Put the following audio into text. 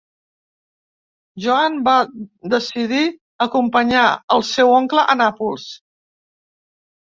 Joan va decidir acompanyar el seu oncle a Nàpols.